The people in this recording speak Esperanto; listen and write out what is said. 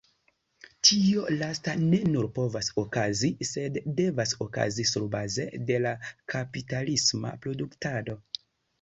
Tio lasta ne nur povas okazi, sed devas okazi, surbaze de la kapitalisma produktado.